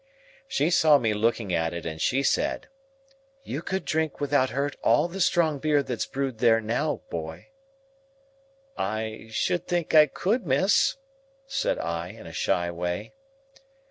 She saw me looking at it, and she said, "You could drink without hurt all the strong beer that's brewed there now, boy." "I should think I could, miss," said I, in a shy way.